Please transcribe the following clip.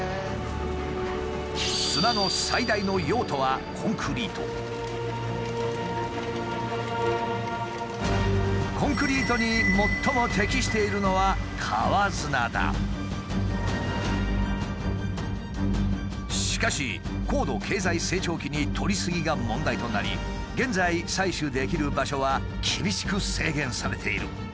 砂の最大の用途はコンクリートに最も適しているのはしかし高度経済成長期に取り過ぎが問題となり現在採取できる場所は厳しく制限されている。